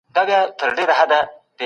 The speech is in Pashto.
ميرويس خان نيکه خپل ساتونکي څنګه ټاکل؟